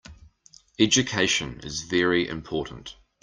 Education is very important.